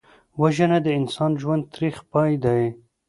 وژنه د انساني ژوند تریخ پای دی